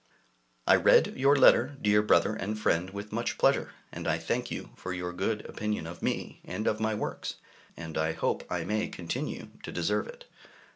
I read your letter, dear brother and friend, with much pleasure, and I thank you for your good opinion of me and of my works, and hope I may continue to deserve it.